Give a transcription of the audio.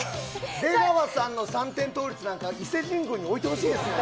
出川さんの三点倒立なんか、伊勢神宮に置いてほしいですよね。